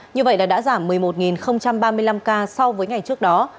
như vậy đã giảm một mươi một ba mươi năm ca so với ngày trước đó